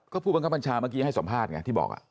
ก็ผู้บังคับบัญชาเมื่อกี้ให้สัมภาษณ์ไงที่บอก